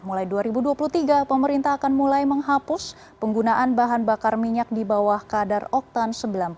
mulai dua ribu dua puluh tiga pemerintah akan mulai menghapus penggunaan bahan bakar minyak di bawah kadar oktan sembilan puluh